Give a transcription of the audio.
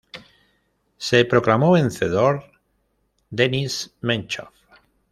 Se proclamó vencedor Denis Menchov.